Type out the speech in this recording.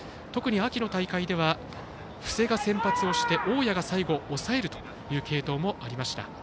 特に秋の大会では布施が先発をして大矢が最後、抑えるという継投もありました。